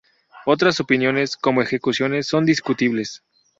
Otras opiniones, como ejecuciones, son discutibles.